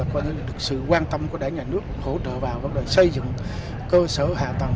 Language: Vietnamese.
cái sự quan tâm của đảng nhà nước hỗ trợ vào vấn đề xây dựng cơ sở hạ tầng